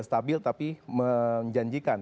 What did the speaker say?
stabil tapi menjanjikan